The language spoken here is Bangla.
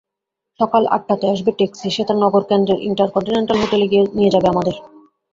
সকাল আটটাতে আসবে ট্যাক্সি, সেটা নগরকেন্দ্রের ইন্টারকন্টিনেন্টাল হোটেলে নিয়ে যাবে আমাদের।